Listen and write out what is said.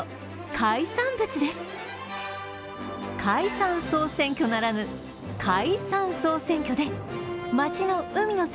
解散総選挙ならぬ海産総選挙で町の海の幸